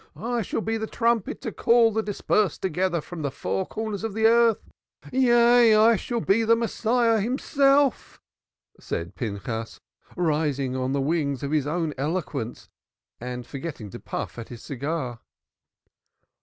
I shall be the trumpet to call the dispersed together from the four corners of the earth yea, I shall be the Messiah himself," said Pinchas, rising on the wings of his own eloquence, and forgetting to puff at his cigar.